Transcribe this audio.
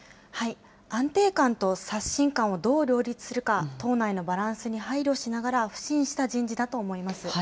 安定感と刷新感をどう両立するか、党内のバランスに配慮しながら腐心した人事だと思います。